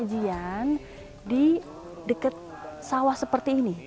kajian di dekat sawah seperti ini